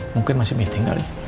mungkin masih meeting mungkin